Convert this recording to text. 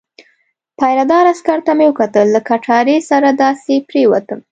پیره دار عسکر ته مې وکتل، له کټارې سره داسې پرېوتم.